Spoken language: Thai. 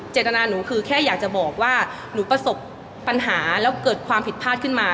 เจตนาหนูคือแค่อยากจะบอกว่าหนูประสบปัญหาแล้วเกิดความผิดพลาดขึ้นมา